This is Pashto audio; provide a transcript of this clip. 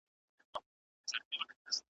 او نه معنوي مرسته ورسره کړې ده ,